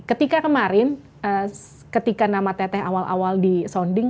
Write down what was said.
ketika kemarin ketika nama teteh awal awal di sounding